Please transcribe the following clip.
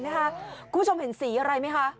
คุณผู้ชมเห็นสีอะไรไหมคะ